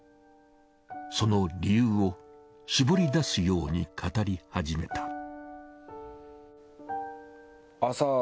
その理由を絞り出すように語り始めた。